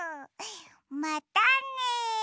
またね！